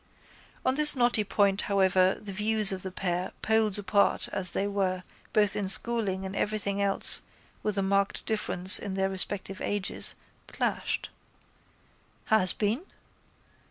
On this knotty point however the views of the pair, poles apart as they were both in schooling and everything else with the marked difference in their respective ages, clashed. —Has been?